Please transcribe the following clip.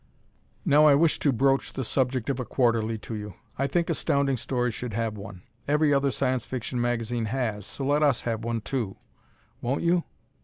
Now I wish to broach the subject of a Quarterly to you. I think Astounding Stories should have one. Every other Science Fiction magazine has, so let us have one, too. Won't you?